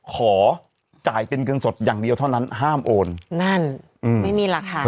ขอจ่ายเป็นเงินสดอย่างเดียวเท่านั้นห้ามโอนนั่นอืมไม่มีหลักฐาน